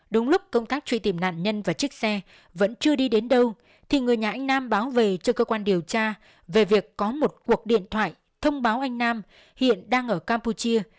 đúng lúc công tác truy tìm nạn nhân và chiếc xe vẫn chưa đi đến đâu thì người nhà anh nam báo về cho cơ quan điều tra về việc có một cuộc điện thoại thông báo anh nam hiện đang ở campuchia